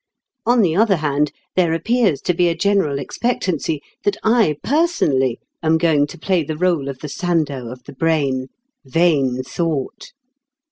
On the other hand, there appears to be a general expectancy that I personally am going to play the rôle of the Sandow of the brain. Vain thought!